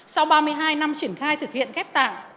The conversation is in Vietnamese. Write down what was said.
sau ba mươi hai năm triển khai thực hiện ghép tạng